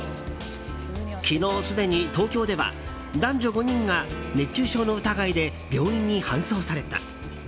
昨日すでに東京では男女５人が熱中症の疑いで病院に搬送された。